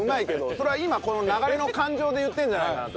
それは今この流れの感情で言ってるんじゃないかなと。